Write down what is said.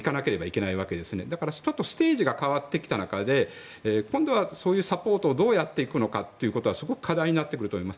なので、ステージが変わってきた中で今度はそういうサポートをどうやっていくのかはすごく課題になってくると思います。